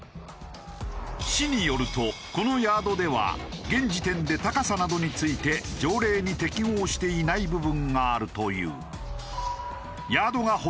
市によるとこのヤードでは現時点で高さなどについて条例に適合していない部分があるという。